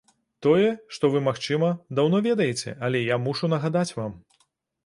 Тое, што вы, магчыма, даўно ведаеце, але я мушу нагадаць вам.